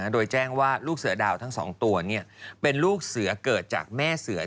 โดยแจ้งว่าลูกเสือดาวทั้ง๒ตัวเป็นลูกเสือเกิดจากแม่เสือ